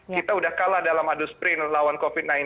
kita sudah kalah dalam adu sprint lawan covid sembilan belas